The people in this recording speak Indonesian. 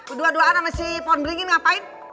berduaan duaan sama si ponderingin ngapain